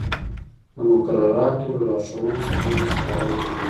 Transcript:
د مقرراتو له لارښوونو څخه هم استفاده وکړئ.